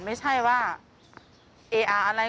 ไม่ใช่ว่าเอออะไร